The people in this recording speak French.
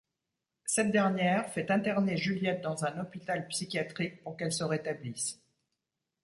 Cette dernière fait interner Juliette dans un hôpital psychiatrique pour qu'elle se rétablisse.